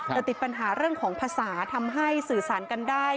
แต่ติดปัญหาเรื่องของภาษาทำให้สื่อสารกันได้